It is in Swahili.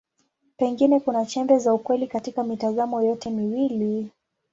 Pengine kuna chembe za ukweli katika mitazamo yote miwili.